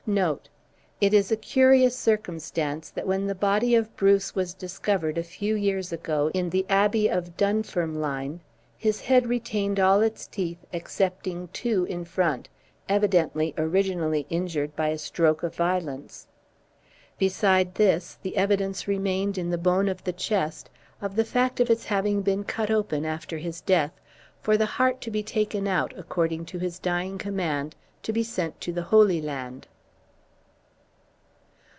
" It is a curious circumstance, that when the body of Bruce was discovered a few years ago in the abbey of Dunfermline, his head retained all its teeth excepting two in front, evidently originally injured by a stroke of violence. Beside this, the evidence remained in the bone of the chest of the fact of its having been cut open after his death, for the heart to be taken out, according to his dying command, to be sent to the Holy Land.